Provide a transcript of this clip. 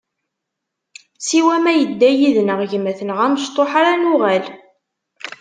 Siwa ma yedda yid-nneɣ gma-tneɣ amecṭuḥ ara nuɣal.